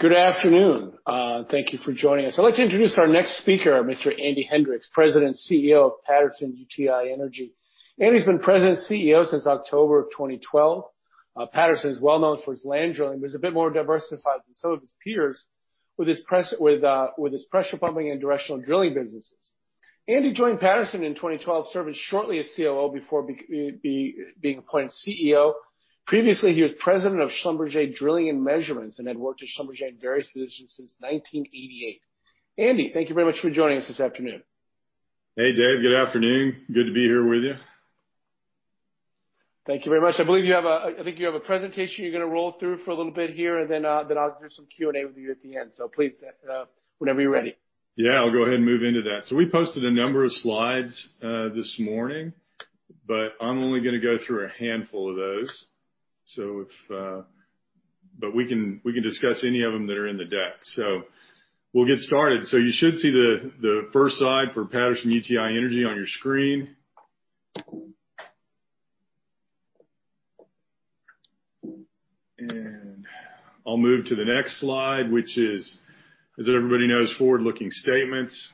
Good afternoon. Thank you for joining us. I'd like to introduce our next speaker, Mr. Andy Hendricks, President and CEO of Patterson-UTI Energy. Andy's been President and CEO since October of 2012. Patterson is well known for its land drilling, it's a bit more diversified than some of its peers with its pressure pumping and directional drilling businesses. Andy joined Patterson in 2012, serving shortly as COO before being appointed CEO. Previously, he was president of Schlumberger Drilling & Measurements and had worked at Schlumberger in various positions since 1988. Andy, thank you very much for joining us this afternoon. Hey, Dave. Good afternoon. Good to be here with you. Thank you very much. I believe you have a presentation you're going to roll through for a little bit here, and then I'll do some Q&A with you at the end. Please, whenever you're ready. Yeah, I'll go ahead and move into that. We posted a number of slides this morning, but I'm only gonna go through a handful of those. We can discuss any of them that are in the deck. We'll get started. You should see the first slide for Patterson-UTI Energy on your screen. I'll move to the next slide, which is, as everybody knows, forward-looking statements.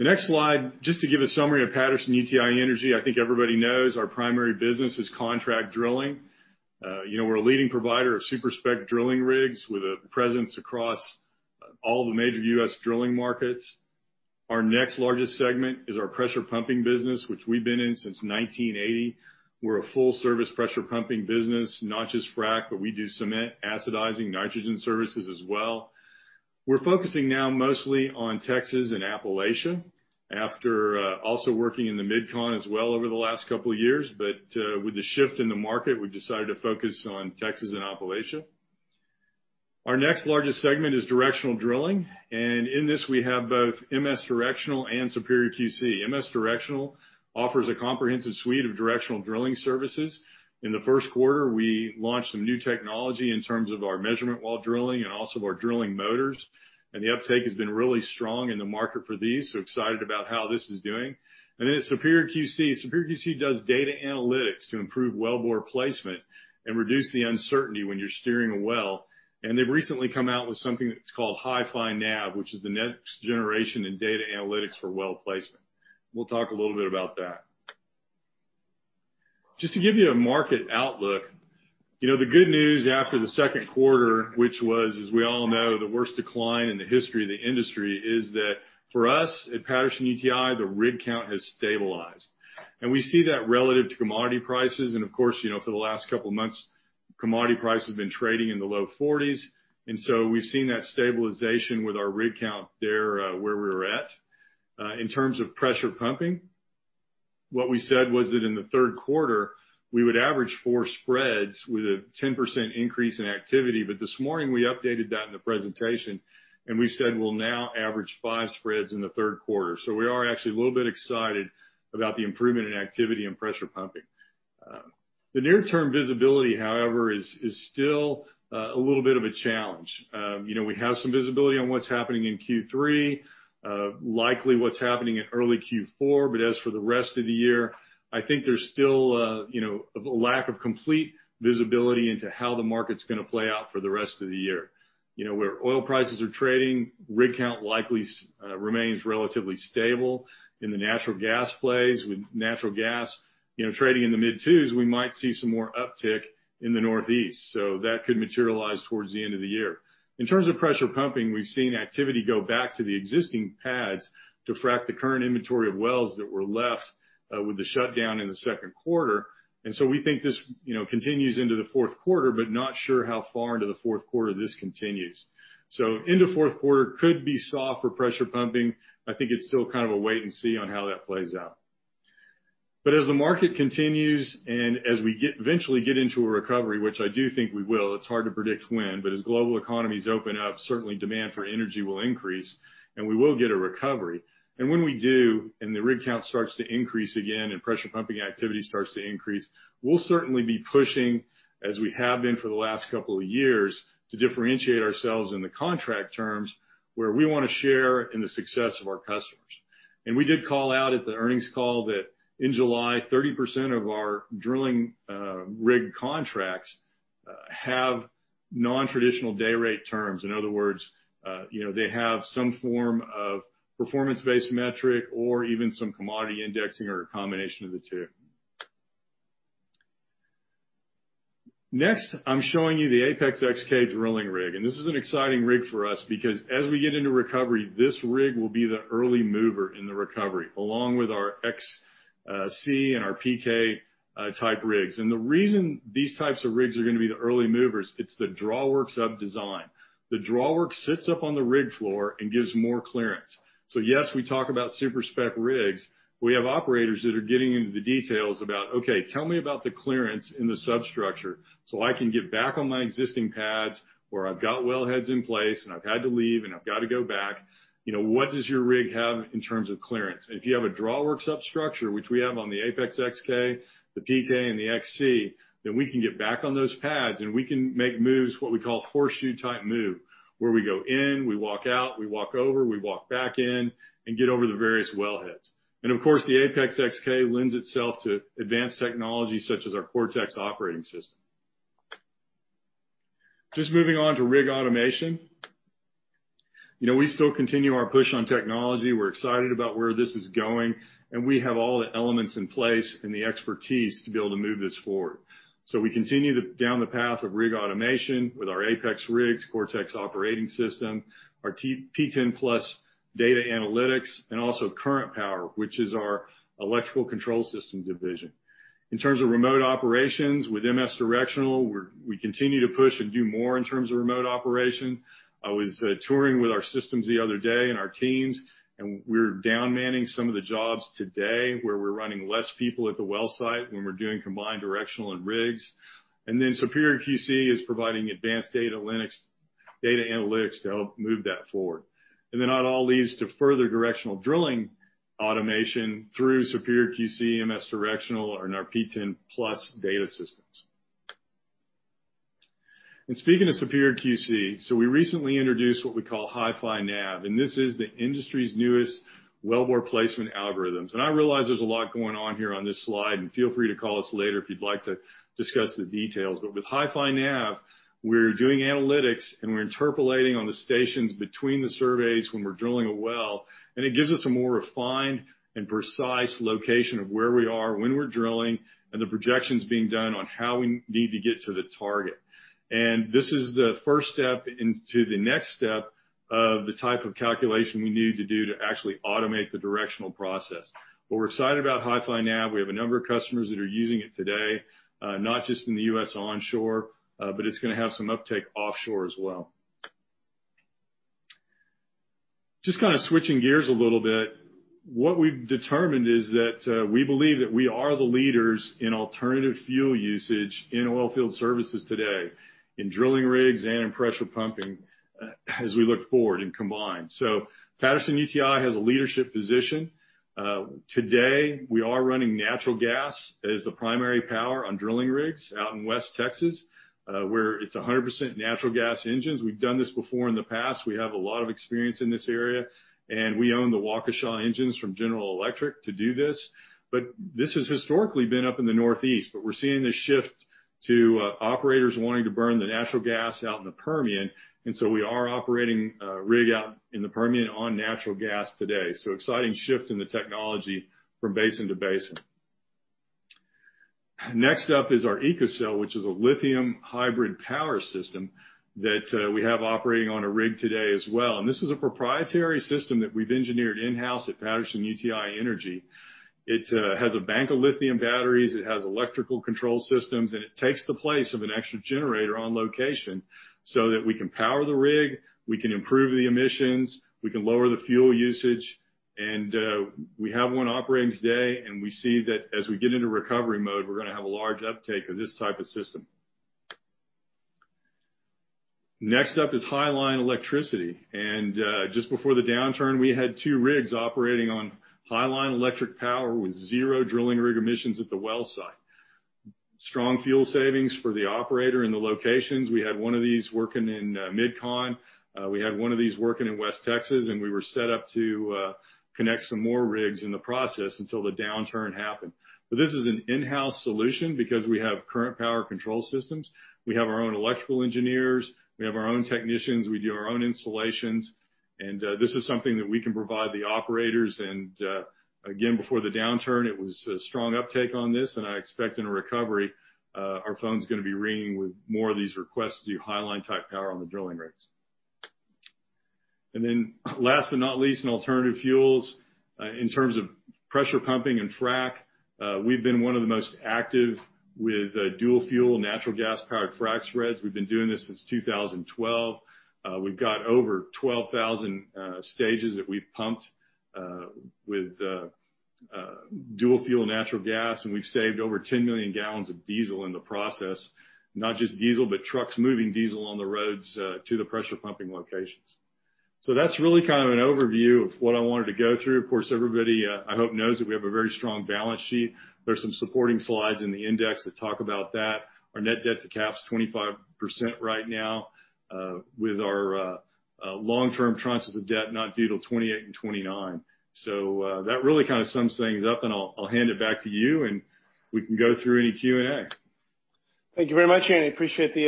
The next slide, just to give a summary of Patterson-UTI Energy. I think everybody knows our primary business is contract drilling. We're a leading provider of super-spec drilling rigs with a presence across all the major U.S. drilling markets. Our next largest segment is our pressure pumping business, which we've been in since 1980. We're a full-service pressure pumping business, not just frack, but we do cement, acidizing, nitrogen services as well. We're focusing now mostly on Texas and Appalachia after also working in the Mid-Con as well over the last couple of years. With the shift in the market, we've decided to focus on Texas and Appalachia. Our next largest segment is directional drilling, and in this, we have both MS Directional and Superior QC. MS Directional offers a comprehensive suite of directional drilling services. In the first quarter, we launched some new technology in terms of our measurement-while-drilling and also our drilling motors, and the uptake has been really strong in the market for these. We're excited about how this is doing. At Superior QC, Superior QC does data analytics to improve wellbore placement and reduce the uncertainty when you're steering a well, and they've recently come out with something that's called HiFi Nav, which is the next generation in data analytics for well placement. We'll talk a little bit about that. Just to give you a market outlook, the good news after the second quarter, which was, as we all know, the worst decline in the history of the industry, is that for us at Patterson-UTI, the rig count has stabilized. We see that relative to commodity prices, and of course, for the last couple of months, commodity prices have been trading in the low 40s, and so we've seen that stabilization with our rig count there where we were at. In terms of pressure pumping, what we said was that in the third quarter, we would average four spreads with a 10% increase in activity. This morning, we updated that in the presentation, and we said we'll now average five spreads in the third quarter. We are actually a little bit excited about the improvement in activity and pressure pumping. The near-term visibility, however, is still a little bit of a challenge. We have some visibility on what's happening in Q3, likely what's happening in early Q4. As for the rest of the year, I think there's still a lack of complete visibility into how the market's going to play out for the rest of the year. Where oil prices are trading, rig count likely remains relatively stable. In the natural gas plays, with natural gas trading in the mid-twos, we might see some more uptick in the Northeast. That could materialize towards the end of the year. In terms of pressure pumping, we've seen activity go back to the existing pads to frack the current inventory of wells that were left with the shutdown in the second quarter. We think this continues into the fourth quarter, but not sure how far into the fourth quarter this continues. Into fourth quarter could be soft for pressure pumping. I think it's still kind of a wait and see on how that plays out. As the market continues, and as we eventually get into a recovery, which I do think we will, it's hard to predict when, but as global economies open up, certainly demand for energy will increase, and we will get a recovery. When we do, and the rig count starts to increase again, and pressure pumping activity starts to increase, we'll certainly be pushing, as we have been for the last couple of years, to differentiate ourselves in the contract terms where we want to share in the success of our customers. We did call out at the earnings call that in July, 30% of our drilling rig contracts have non-traditional day rate terms. In other words, they have some form of performance-based metric or even some commodity indexing or a combination of the two. Next, I'm showing you the APEX-XK drilling rig, and this is an exciting rig for us because as we get into recovery, this rig will be the early mover in the recovery, along with our APEX XC and our APEX PK type rigs. The reason these types of rigs are gonna be the early movers, it's the drawworks up design. The drawworks sits up on the rig floor and gives more clearance. Yes, we talk about super-spec rigs. We have operators that are getting into the details about, okay, tell me about the clearance in the substructure so I can get back on my existing pads where I've got wellheads in place and I've had to leave and I've got to go back. What does your rig have in terms of clearance? If you have a drawworks substructure, which we have on the APEX-XK, the APEX PK, and the APEX XC, then we can get back on those pads, and we can make moves, what we call horseshoe-type move, where we go in, we walk out, we walk over, we walk back in and get over the various wellheads. Of course, the APEX-XK lends itself to advanced technology such as our Cortex Operating System. Just moving on to rig automation. We still continue our push on technology. We're excited about where this is going, and we have all the elements in place and the expertise to be able to move this forward. We continue down the path of rig automation with our APEX rigs, Cortex Operating System, our PTEN+ data analytics, and also Current Power, which is our electrical control system division. In terms of remote operations with MS Directional, we continue to push and do more in terms of remote operation. I was touring with our systems the other day and our teams, and we're down-manning some of the jobs today where we're running less people at the well site when we're doing combined directional and rigs. Superior QC is providing advanced data analytics to help move that forward. It all leads to further directional drilling automation through Superior QC, MS Directional, and our PTEN+ data systems. Speaking of Superior QC, we recently introduced what we call HiFi Nav, and this is the industry's newest wellbore placement algorithms. I realize there's a lot going on here on this slide, and feel free to call us later if you'd like to discuss the details. With HiFi Nav, we're doing analytics, and we're interpolating on the stations between the surveys when we're drilling a well, and it gives us a more refined and precise location of where we are, when we're drilling, and the projections being done on how we need to get to the target. This is the first step into the next step of the type of calculation we need to do to actually automate the directional process. We're excited about HiFi Nav. We have a number of customers that are using it today, not just in the U.S. onshore, but it's going to have some uptake offshore as well. Just switching gears a little bit. What we've determined is that we believe that we are the leaders in alternative fuel usage in oil field services today in drilling rigs and in pressure pumping as we look forward and combined. Patterson-UTI has a leadership position. Today, we are running natural gas as the primary power on drilling rigs out in West Texas, where it's 100% natural gas engines. We've done this before in the past. We have a lot of experience in this area, and we own the Waukesha engines from General Electric to do this, but this has historically been up in the Northeast, but we're seeing this shift to operators wanting to burn the natural gas out in the Permian. We are operating a rig out in the Permian on natural gas today. Exciting shift in the technology from basin to basin. Next up is our EcoCell, which is a lithium hybrid power system that we have operating on a rig today as well. This is a proprietary system that we've engineered in-house at Patterson-UTI Energy. It has a bank of lithium batteries, it has electrical control systems, and it takes the place of an extra generator on location so that we can power the rig, we can improve the emissions, we can lower the fuel usage. We have one operating today, and we see that as we get into recovery mode, we're going to have a large uptake of this type of system. Next up is High Line Electricity. Just before the downturn, we had two rigs operating on High Line electric power with zero drilling rig emissions at the well site. Strong fuel savings for the operator and the locations. We had one of these working in MidCon. We had one of these working in West Texas, and we were set up to connect some more rigs in the process until the downturn happened. This is an in-house solution because we have Current Power control systems. We have our own electrical engineers. We have our own technicians. We do our own installations. This is something that we can provide the operators. Again, before the downturn, it was a strong uptake on this, and I expect in a recovery, our phone's going to be ringing with more of these requests to do High Line-type power on the drilling rigs. Last but not least, in alternative fuels, in terms of pressure pumping and frack, we've been one of the most active with dual fuel, natural gas-powered frack spreads. We've been doing this since 2012. We've got over 12,000 stages that we've pumped with dual fuel natural gas, and we've saved over 10 million gallons of diesel in the process. Not just diesel, but trucks moving diesel on the roads to the pressure pumping locations. That's really an overview of what I wanted to go through. Of course, everybody, I hope, knows that we have a very strong balance sheet. There's some supporting slides in the index that talk about that. Our net debt to cap's 25% right now with our long-term tranches of debt not due till 2028 and 2029. That really sums things up, and I'll hand it back to you, and we can go through any Q&A. Thank you very much, Andy. Appreciate the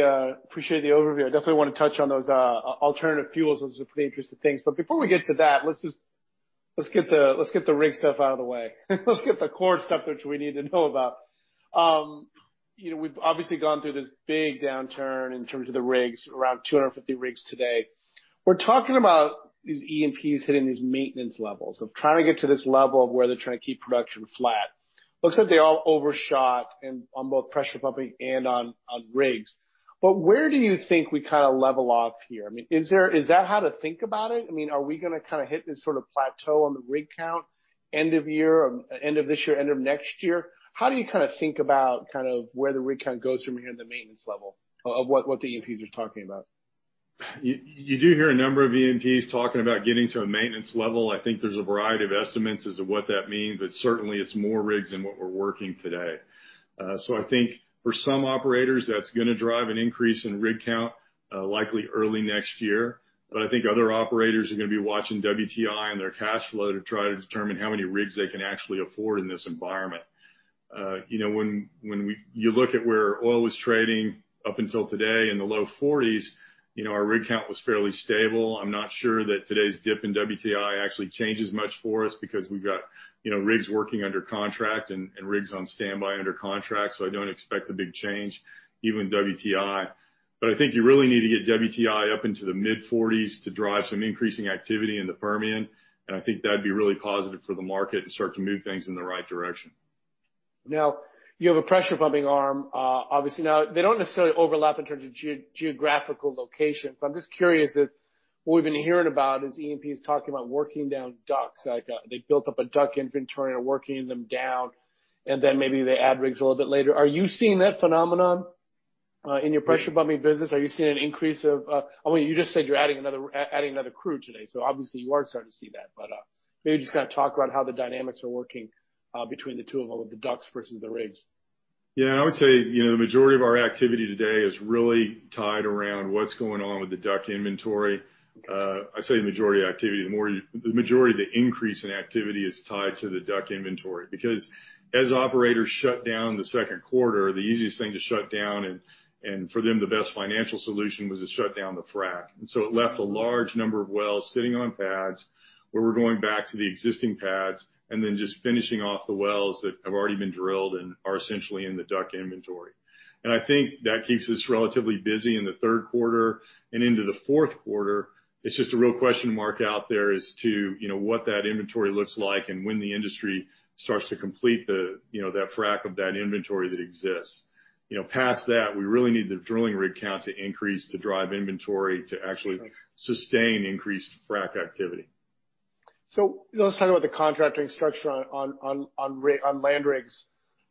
overview. I definitely want to touch on those alternative fuels. Those are pretty interesting things. Before we get to that, let's get the rig stuff out of the way. Let's get the core stuff which we need to know about. We've obviously gone through this big downturn in terms of the rigs, around 250 rigs today. We're talking about these E&Ps hitting these maintenance levels, of trying to get to this level of where they're trying to keep production flat. Looks like they all overshot on both pressure pumping and on rigs. Where do you think we level off here? I mean, is that how to think about it? Are we going to hit this sort of plateau on the rig count end of this year, end of next year? How do you think about where the rig count goes from here at the maintenance level of what the E&Ps are talking about? You do hear a number of E&Ps talking about getting to a maintenance level. I think there's a variety of estimates as to what that means, certainly, it's more rigs than what we're working today. I think for some operators, that's going to drive an increase in rig count, likely early next year. I think other operators are going to be watching WTI and their cash flow to try to determine how many rigs they can actually afford in this environment. When you look at where oil was trading up until today in the low 40s, our rig count was fairly stable. I'm not sure that today's dip in WTI actually changes much for us because we've got rigs working under contract and rigs on standby under contract, I don't expect a big change given WTI. I think you really need to get WTI up into the mid-40s to drive some increasing activity in the Permian, and I think that'd be really positive for the market to start to move things in the right direction. You have a pressure pumping arm, obviously. They don't necessarily overlap in terms of geographical location, but I'm just curious that what we've been hearing about is E&P's talking about working down DUCs. Like they built up a DUC inventory and are working them down, then maybe they add rigs a little bit later. Are you seeing that phenomenon in your pressure pumping business? Are you seeing an increase of I mean, you just said you're adding another crew today, obviously you are starting to see that. Maybe just kind of talk about how the dynamics are working between the two of all of the DUCs versus the rigs. Yeah. I would say, the majority of our activity today is really tied around what's going on with the DUC inventory. Okay. I say the majority activity, the majority of the increase in activity is tied to the DUC inventory, because as operators shut down the second quarter, the easiest thing to shut down, and for them, the best financial solution was to shut down the frac. It left a large number of wells sitting on pads, where we're going back to the existing pads and then just finishing off the wells that have already been drilled and are essentially in the DUC inventory. I think that keeps us relatively busy in the third quarter and into the fourth quarter. It's just a real question mark out there as to what that inventory looks like and when the industry starts to complete that frac of that inventory that exists. Past that, we really need the drilling rig count to increase, to drive inventory to actually sustain increased frac activity. Let's talk about the contracting structure on land rig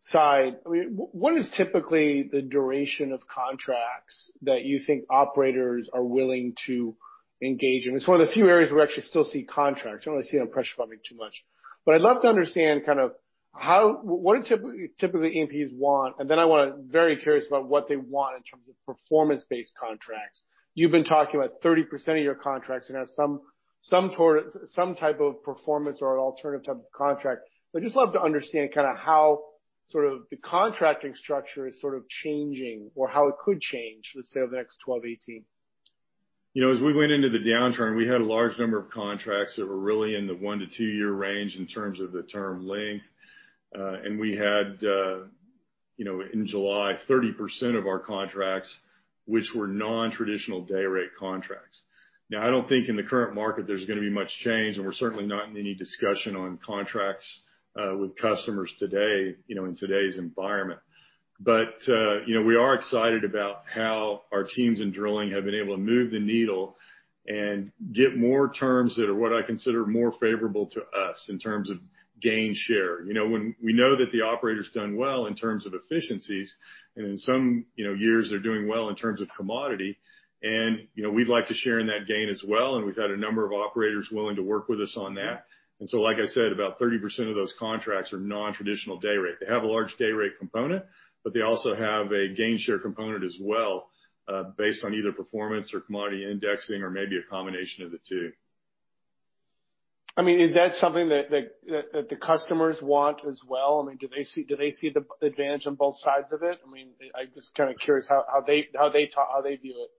side. What is typically the duration of contracts that you think operators are willing to engage in? It's one of the few areas where we actually still see contracts. You don't really see it on pressure pumping too much. I'd love to understand, what do typically E&Ps want? Then I am very curious about what they want in terms of performance-based contracts. You've been talking about 30% of your contracts, and have some type of performance or alternative type of contract. Just love to understand how the contracting structure is changing or how it could change, let's say, over the next 12, 18. As we went into the downturn, we had a large number of contracts that were really in the one to two-year range in terms of the term length. We had, in July, 30% of our contracts, which were non-traditional day rate contracts. Now, I don't think in the current market there's going to be much change, and we're certainly not in any discussion on contracts with customers today, in today's environment. We are excited about how our teams in drilling have been able to move the needle and get more terms that are what I consider more favorable to us in terms of gain share. We know that the operator's done well in terms of efficiencies, and in some years they're doing well in terms of commodity. We'd like to share in that gain as well, and we've had a number of operators willing to work with us on that. Like I said, about 30% of those contracts are non-traditional day rate. They have a large day rate component, but they also have a gain share component as well, based on either performance or commodity indexing or maybe a combination of the two. Is that something that the customers want as well? Do they see the advantage on both sides of it? I'm just kind of curious how they view it.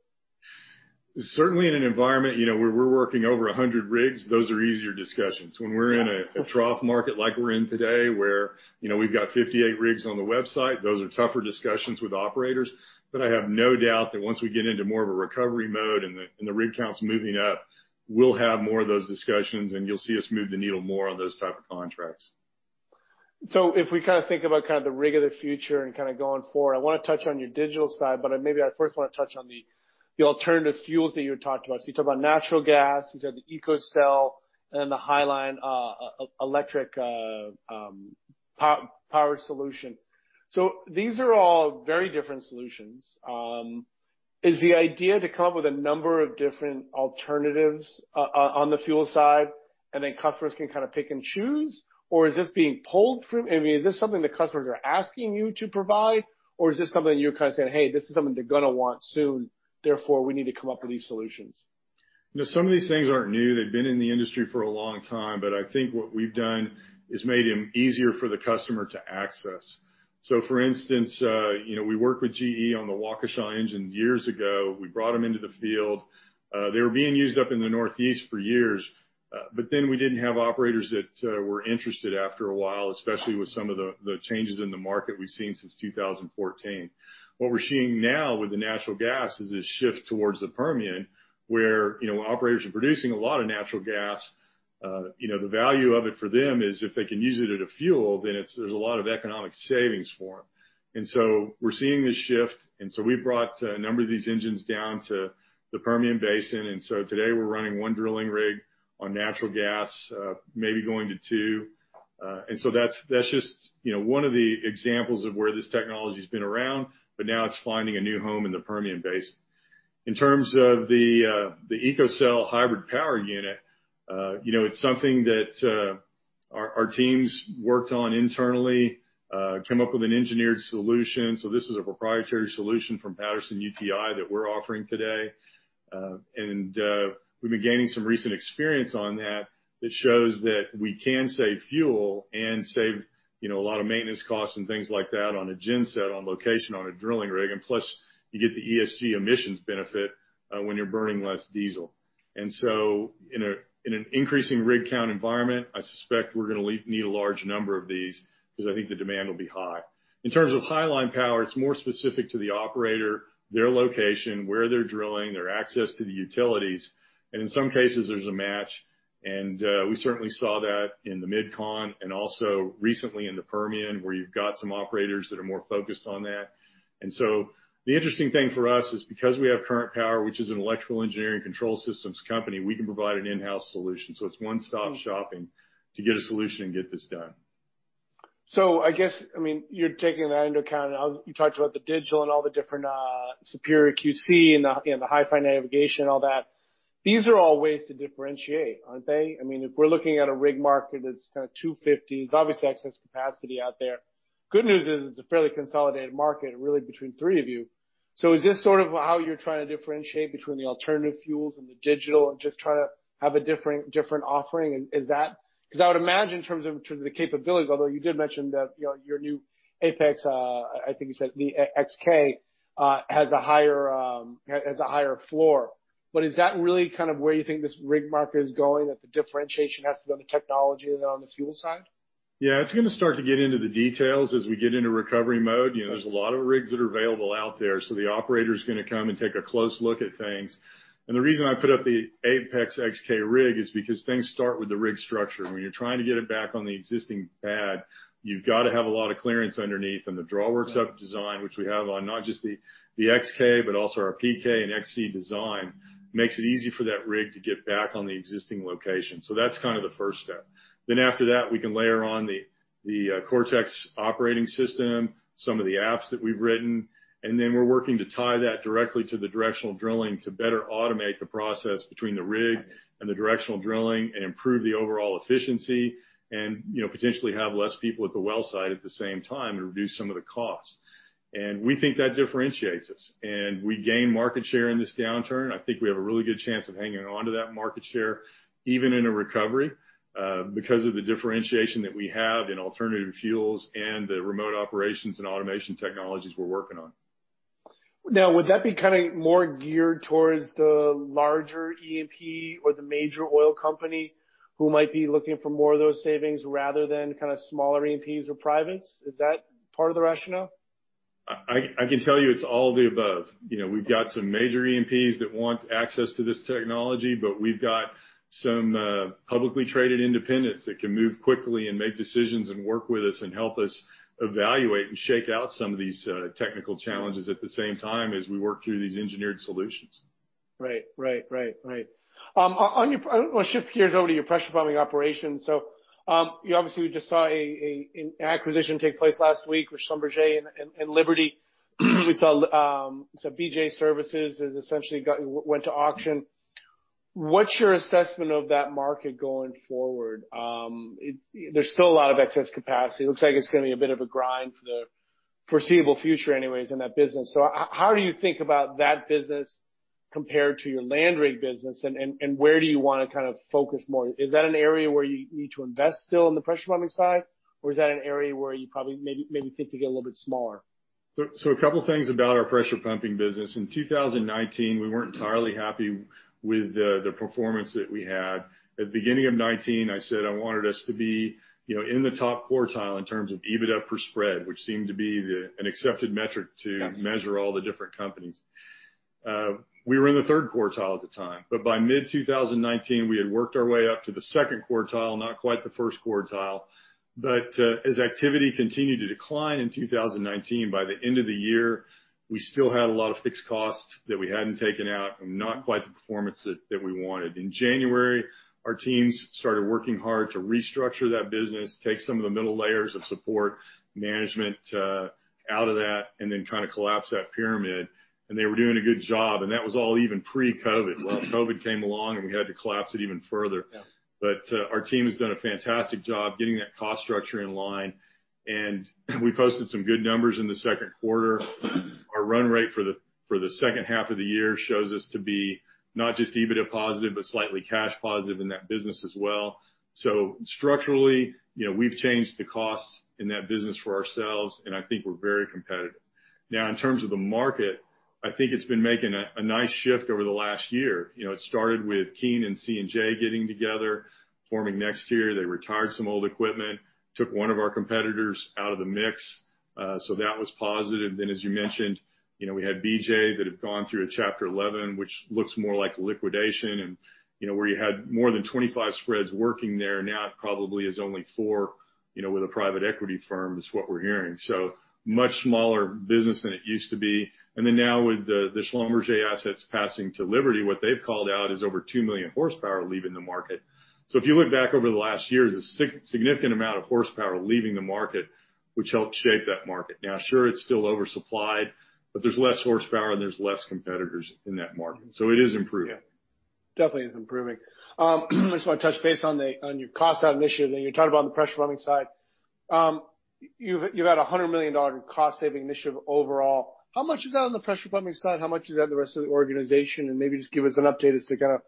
Certainly, in an environment where we're working over 100 rigs, those are easier discussions. When we're in a trough market like we're in today, where we've got 58 rigs on the website, those are tougher discussions with operators. I have no doubt that once we get into more of a recovery mode and the rig count's moving up, we'll have more of those discussions, and you'll see us move the needle more on those type of contracts. If we think about the rig of the future and going forward, I want to touch on your digital side, maybe I first want to touch on the alternative fuels that you had talked about. You talked about natural gas, you talked the EcoCell and then the High Line electric powered solution. These are all very different solutions. Is the idea to come up with a number of different alternatives on the fuel side, and then customers can pick and choose? Or is this being pulled from, is this something that customers are asking you to provide, or is this something that you're kind of saying, "Hey, this is something they're gonna want soon, therefore, we need to come up with these solutions. Some of these things aren't new. They've been in the industry for a long time, but I think what we've done is made them easier for the customer to access. For instance, we worked with GE on the Waukesha engine years ago. We brought them into the field. They were being used up in the Northeast for years. We didn't have operators that were interested after a while, especially with some of the changes in the market we've seen since 2014. What we're seeing now with the natural gas is a shift towards the Permian, where operators are producing a lot of natural gas. The value of it for them is if they can use it as a fuel, then there's a lot of economic savings for them. We're seeing this shift, and so we've brought a number of these engines down to the Permian Basin. Today we're running one drilling rig on natural gas, maybe going to two. That's just one of the examples of where this technology's been around, but now it's finding a new home in the Permian Basin. In terms of the EcoCell hybrid power unit, it's something that our teams worked on internally, came up with an engineered solution. This is a proprietary solution from Patterson-UTI that we're offering today. We've been gaining some recent experience on that shows that we can save fuel and save a lot of maintenance costs and things like that on a genset, on location, on a drilling rig. Plus you get the ESG emissions benefit, when you're burning less diesel. In an increasing rig count environment, I suspect we're going to need a large number of these because I think the demand will be high. In terms of High Line Power, it's more specific to the operator, their location, where they're drilling, their access to the utilities. In some cases, there's a match. We certainly saw that in the MidCon and also recently in the Permian, where you've got some operators that are more focused on that. The interesting thing for us is because we have Current Power, which is an electrical engineering control systems company, we can provide an in-house solution. It's one-stop shopping to get a solution and get this done. I guess, you're taking that into account, and you talked about the digital and all the different Superior QC and the HiFi Nav, all that. These are all ways to differentiate, aren't they? If we're looking at a rig market that's kind of 250, there's obviously excess capacity out there. Good news is, it's a fairly consolidated market, really between three of you. Is this sort of how you're trying to differentiate between the alternative fuels and the digital and just try to have a different offering? Because I would imagine in terms of the capabilities, although you did mention that your new APEX, I think you said the APEX-XK, has a higher floor. Is that really kind of where you think this rig market is going, that the differentiation has to be on the technology rather than on the fuel side? Yeah, it's going to start to get into the details as we get into recovery mode. There's a lot of rigs that are available out there, so the operator's gonna come and take a close look at things. The reason I put up the APEX-XK rig is because things start with the rig structure. When you're trying to get it back on the existing pad, you've got to have a lot of clearance underneath. The drawworks up design, which we have on not just the APEX-XK, but also our APEX PK and APEX XC design, makes it easy for that rig to get back on the existing location. That's kind of the first step. After that, we can layer on the Cortex Operating System, some of the apps that we've written, we're working to tie that directly to the directional drilling to better automate the process between the rig and the directional drilling and improve the overall efficiency and potentially have less people at the well site at the same time to reduce some of the costs. We think that differentiates us. We gain market share in this downturn. I think we have a really good chance of hanging on to that market share, even in a recovery, because of the differentiation that we have in alternative fuels and the remote operations and automation technologies we're working on. Would that be kind of more geared towards the larger E&P or the major oil company who might be looking for more of those savings rather than kind of smaller E&Ps or privates? Is that part of the rationale? I can tell you it's all the above. We've got some major E&Ps that want access to this technology, but we've got some publicly traded independents that can move quickly and make decisions and work with us and help us evaluate and shake out some of these technical challenges at the same time as we work through these engineered solutions. Right. I want to shift gears over to your pressure pumping operations. Obviously we just saw an acquisition take place last week with Schlumberger and Liberty. We saw BJ Services has essentially went to auction. What's your assessment of that market going forward? There's still a lot of excess capacity. It looks like it's going to be a bit of a grind for the foreseeable future anyways in that business. How do you think about that business compared to your land rig business, and where do you want to kind of focus more? Is that an area where you need to invest still in the pressure pumping side? Or is that an area where you probably maybe think to get a little bit smaller? A couple things about our pressure pumping business. In 2019, we weren't entirely happy with the performance that we had. At the beginning of 2019, I said I wanted us to be in the top quartile in terms of EBITDA per spread, which seemed to be an accepted metric to measure all the different companies. We were in the third quartile at the time, by mid-2019, we had worked our way up to the second quartile, not quite the first quartile. As activity continued to decline in 2019, by the end of the year, we still had a lot of fixed costs that we hadn't taken out and not quite the performance that we wanted. In January, our teams started working hard to restructure that business, take some of the middle layers of support management out of that, and then kind of collapse that pyramid. They were doing a good job, and that was all even pre-COVID. Well, COVID came along, and we had to collapse it even further. Yeah. Our team has done a fantastic job getting that cost structure in line, and we posted some good numbers in the second quarter. Our run rate for the second half of the year shows us to be not just EBITDA positive, but slightly cash positive in that business as well. Structurally, we've changed the costs in that business for ourselves, and I think we're very competitive. In terms of the market, I think it's been making a nice shift over the last year. It started with Keane and C&J getting together, forming NexTier Oilfield Solutions Inc. They retired some old equipment, took one of our competitors out of the mix. That was positive. As you mentioned, we had BJ that had gone through a Chapter 11, which looks more like liquidation and where you had more than 25 spreads working there, now it probably is only four, with a private equity firm is what we're hearing. Much smaller business than it used to be. Now with the Schlumberger assets passing to Liberty, what they've called out is over 2 million horsepower leaving the market. If you look back over the last years, a significant amount of horsepower leaving the market, which helped shape that market. Sure, it's still oversupplied, but there's less horsepower and there's less competitors in that market. It is improving. Yeah. Definitely is improving. I just want to touch base on your cost out initiative. You talked about on the pressure pumping side. You've had a $100 million cost saving initiative overall. How much is that on the pressure pumping side? How much is that on the rest of the organization? Maybe just give us an update as to kind of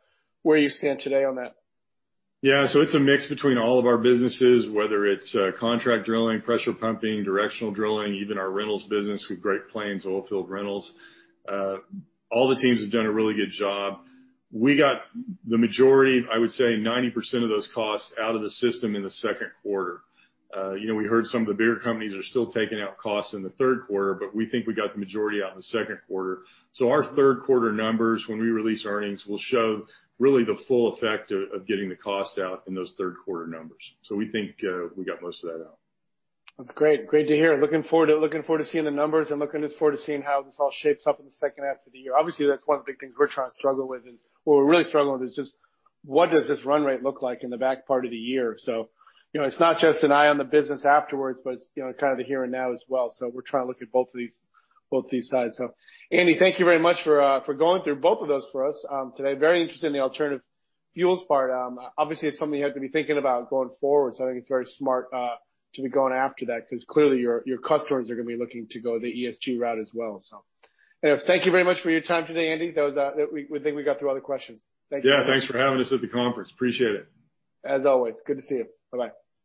where you stand today on that. It's a mix between all of our businesses, whether it's contract drilling, pressure pumping, directional drilling, even our rentals business with Great Plains Oilfield Rental. All the teams have done a really good job. We got the majority, I would say 90% of those costs out of the system in the second quarter. We heard some of the bigger companies are still taking out costs in the third quarter, but we think we got the majority out in the second quarter. Our third quarter numbers, when we release earnings, will show really the full effect of getting the cost out in those third quarter numbers. We think we got most of that out. That's great. Great to hear. Looking forward to seeing the numbers and looking forward to seeing how this all shapes up in the second half of the year. That's one of the big things we're trying to struggle with, what we're really struggling with is just what does this run rate look like in the back part of the year? It's not just an eye on the business afterwards, but it's kind of the here and now as well. We're trying to look at both these sides. Andy, thank you very much for going through both of those for us today. Very interested in the alternative fuels part. It's something you have to be thinking about going forward, I think it's very smart to be going after that because clearly your customers are gonna be looking to go the ESG route as well. Anyways, thank you very much for your time today, Andy. We think we got through all the questions. Thank you. Yeah, thanks for having us at the conference. Appreciate it. As always, good to see you. Bye-bye.